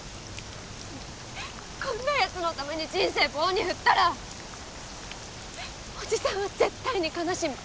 こんな奴のために人生棒に振ったらおじさんは絶対に悲しむ。